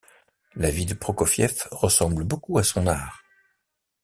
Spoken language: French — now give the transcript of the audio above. La vie de Prokofiev ressemble beaucoup à son art.